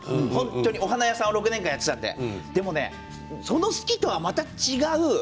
お花屋さんは６年間やっていたのでまたその好きとは違う。